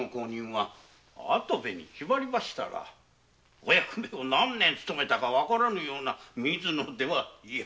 お役目を何年勤めたかわからぬような水野殿ではいやはや。